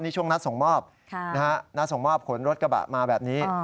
นี่ช่วงนัดส่งมอบนัดส่งมอบขนรถกระบะมาแบบนี้